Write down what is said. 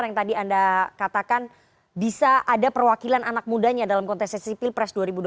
yang tadi anda katakan bisa ada perwakilan anak mudanya dalam konteks sisi sipil pres dua ribu dua puluh empat